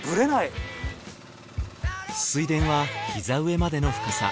水田は膝上までの深さ。